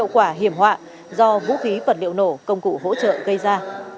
quả hiểm họa do vũ khí vật liệu nổ công cụ hỗ trợ gây ra